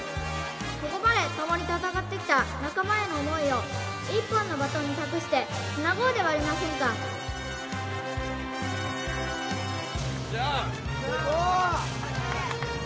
ここまで共に戦ってきた仲間への思いを１本のバトンに託してつなごうではありませんかよっしゃー！